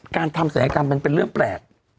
การทำศัลยกรรมมันเป็นเรื่องแปลก